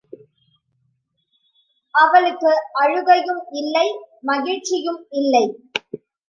அவளுக்கு அழுகையும் இல்லை மகிழ்ச்சியும் இல்லை.